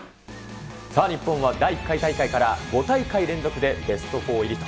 さあ、日本は第１回大会から５大会連続でベスト４入りと。